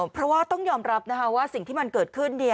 เพราะว่าต้องยอมรับว่าสิ่งที่มันเกิดขึ้น